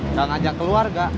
nggak ngajak keluarga